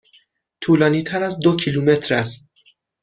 طولانی تر از دو کیلومتر است.